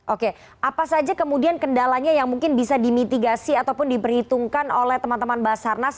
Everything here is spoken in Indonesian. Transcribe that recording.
oke apa saja kemudian kendalanya yang mungkin bisa dimitigasi ataupun diperhitungkan oleh teman teman basarnas